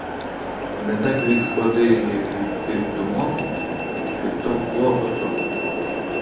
Не так від ходи, як від тих думок, від того клопоту!